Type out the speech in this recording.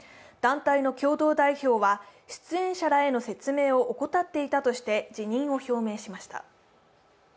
団体の共同代表は、出演者らへの説明を怠っていたとして辞任を表明しました。